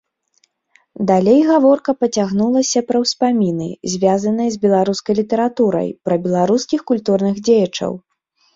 Далей гаворка пацягнулася пра ўспаміны, звязаныя з беларускай літаратурай, пра беларускіх культурных дзеячаў.